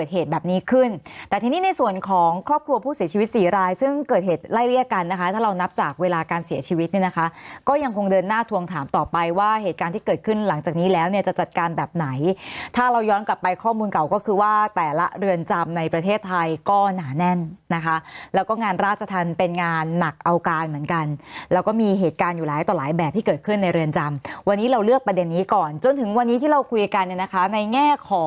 เหตุแบบนี้ขึ้นแต่ทีนี้ในส่วนของครอบครัวผู้เสียชีวิตสี่รายซึ่งเกิดเหตุไล่เรียกกันนะคะถ้าเรานับจากเวลาการเสียชีวิตนะคะก็ยังคงเดินหน้าทวงถามต่อไปว่าเหตุการณ์ที่เกิดขึ้นหลังจากนี้แล้วจะจัดการแบบไหนถ้าเราย้อนกลับไปข้อมูลเก่าก็คือว่าแต่ละเรือนจำในประเทศไทยก็หนาแน่นนะคะแล้วก็งานรา